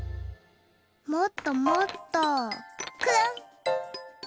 もっともっとくるん。